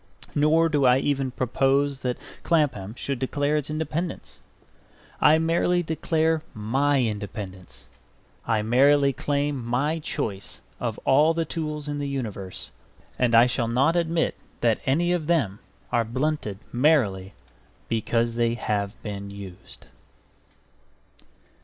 Nor do I even propose that Clapham should declare its independence. I merely declare my independence. I merely claim my choice of all the tools in the universe; and I shall not admit that any of them are blunted merely because they have been used.